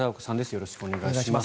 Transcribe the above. よろしくお願いします。